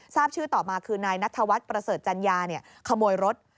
ทราบชื่อต่อมาคือนายนัทวัฒน์ประเสริฐจัญญาขโมยรถ